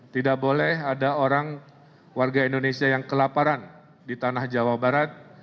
tidak boleh ada orang warga indonesia yang kelaparan di tanah jawa barat